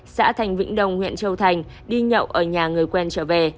xã thành vĩnh đồng huyện châu thành đi nhậu ở nhà người quen trở về